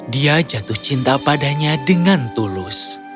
dia jatuh cinta padanya dengan tulus